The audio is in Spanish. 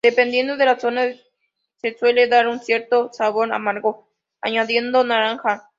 Dependiendo de la zona se suele dar un cierto sabor amargo añadiendo naranja.